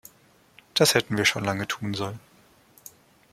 Das hätten wir schon lange tun sollen.